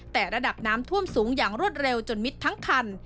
แต่ระดับน้ำท่วมสูงอย่างรวดเร็วจนมิดทั้งคัน